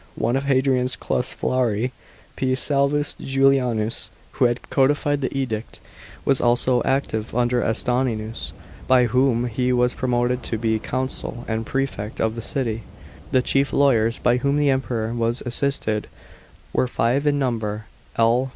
One of Hadrian's consfliarii, P. Salvius Julianus, who had codified the Edict, was also active under Antoninus, by whom he was promoted to be consul and prefect of the city. The chief lawyers by whom the Emperor was assisted were five in number: L.